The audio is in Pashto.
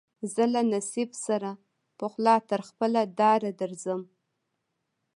زه له نصیب سره پخلا تر خپله داره درځم